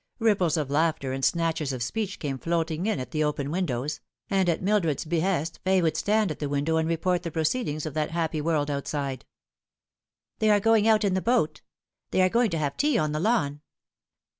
Ripples of laughter and snatches of speech came floating in at the open windows ; and at Mil dred's behest Fay would stand at the window and report the proceedings of that happy world outside. " They are goino: out in the boat. They are going to have tea on the lawn.